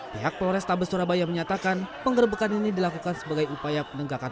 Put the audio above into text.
pihak polrestabes surabaya menyatakan penggerbekan ini dilakukan sebagai upaya penegakan